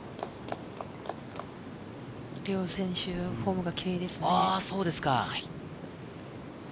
両選手、フォームがきれいですね。